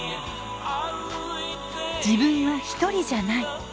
自分は一人じゃない。